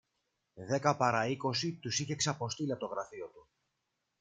Δέκα πάρα είκοσι τους είχε ξαποστείλει από το γραφείο του